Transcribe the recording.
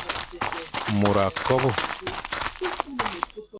Môr a kobe.